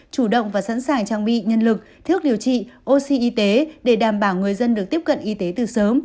chủ động và sẵn sàng trang bị nhân lực thuốc điều trị oxy y tế để đảm bảo người dân được tiếp cận y tế từ sớm